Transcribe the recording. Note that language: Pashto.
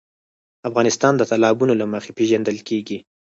افغانستان د تالابونه له مخې پېژندل کېږي.